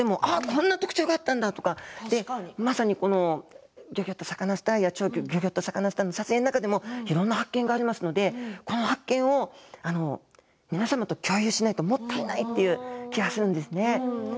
こんな特徴があったんだとかまさに「ギョギョッとサカナ★スター」や「超ギョギョッとサカナ★スター」の中でもいろいろな発見がありますのでこの発見を皆様と共有しないともったいないっていう気持ちがあるんですね。